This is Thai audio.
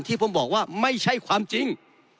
ที่ผมบอกว่าไม่ใช่ความจริง